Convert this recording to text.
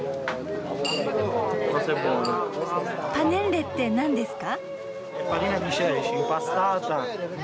パネッレってなんですか？